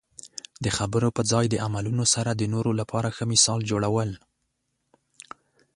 د خبرو په ځای د عملونو سره د نورو لپاره ښه مثال جوړول.